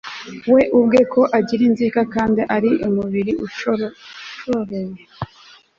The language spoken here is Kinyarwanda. we ubwe, ko agira inzika, kandi ari umubiri ashoreye